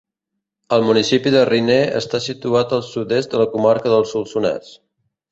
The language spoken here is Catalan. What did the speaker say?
El municipi de Riner està situat al sud-est de la comarca del Solsonès.